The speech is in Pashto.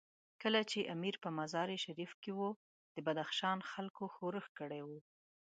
کله چې امیر په مزار شریف کې وو، د بدخشان خلکو ښورښ کړی وو.